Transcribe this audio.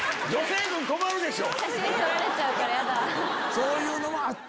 そういうのもあって。